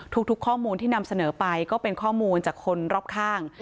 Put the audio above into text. ทุกข้อมูลที่นำเสนอไปก็เป็นข้อมูลจากคนรอบข้าง